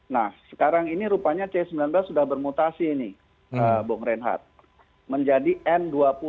nah sekarang ini rupanya c sembilan belas sudah bermutasi ini bung reinhardt menjadi n dua puluh